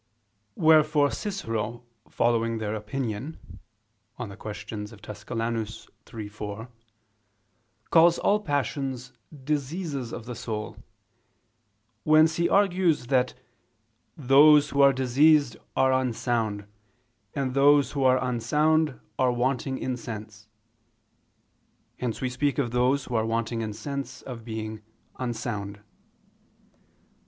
Wherefore Cicero, following their opinion (De Tusc. Quaest. iii, 4) calls all passions "diseases of the soul": whence he argues that "those who are diseased are unsound; and those who are unsound are wanting in sense." Hence we speak of those who are wanting in sense of being "unsound."